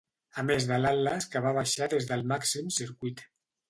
A més de l'Atlas que va baixar des del màxim circuit.